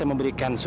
enggak lera tunggu